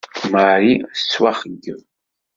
Marie tettwaxeyyeb.